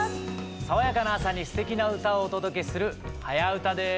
さわやかな朝にすてきな歌をお届けする「はやウタ」です。